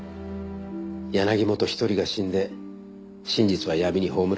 柳本一人が死んで真実は闇に葬られた。